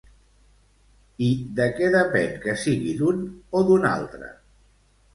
I de què depèn que sigui d'un o d'un altre?